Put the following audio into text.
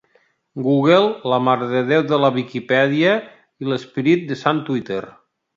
Google, la marededéu de la Viquipèdia i l'esperit de sant Twitter.